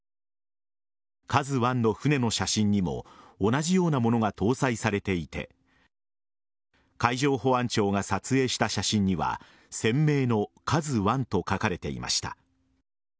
「ＫＡＺＵ１」の船の写真にも同じようなものが搭載されていて海上保安庁が撮影した写真には船名の「ＫＡＺＵ１」と書かれていました。